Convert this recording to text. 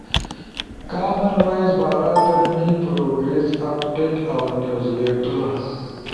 کامن وائس بارا در می پروگریس اپڈیٹ اؤ نیوز لیٹر